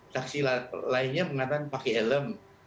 saksi lainnya mengatakan pakai helm